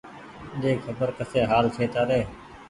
ۮي خبر ڪسي حآل ڇي تآري